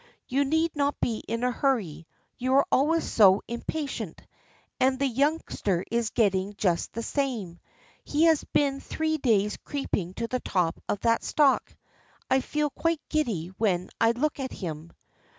You need not be in a hurry; you are always so impatient, and the youngster is getting just the same. He has been three days creeping to the top of that stalk. I feel quite giddy when I look at him."